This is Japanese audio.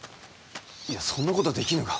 いやそんなことはできぬが。